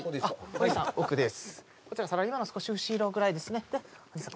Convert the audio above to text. こちらサラリーマンの少し後ろぐらいですねでお兄さん